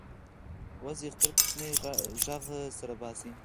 وزې خپل کوچنی غږ سره باسي